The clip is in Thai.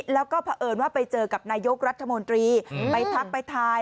แล้วก็เผอิญว่าไปเจอกับนายกรัฐมนตรีไปทักไปทาย